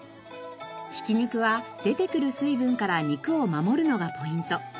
ひき肉は出てくる水分から肉を守るのがポイント。